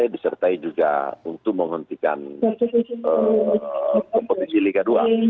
disertai juga untuk menghentikan kompetisi liga dua